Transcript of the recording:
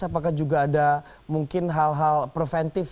apakah juga ada mungkin hal hal preventif